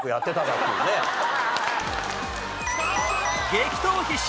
激闘必至！